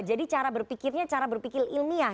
jadi cara berpikirnya cara berpikir ilmiah